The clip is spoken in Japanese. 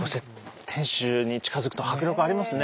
天守に近づくと迫力ありますよね。